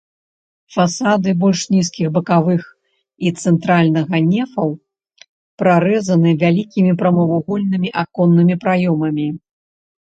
Фасады больш нізкіх бакавых і цэнтральнага нефаў прарэзаны вялікімі прамавугольнымі аконнымі праёмамі.